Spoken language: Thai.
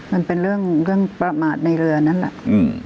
มันเป็นเรื่องประมาทในเรือนั้นแหละ